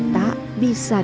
tak bisa dikendalikan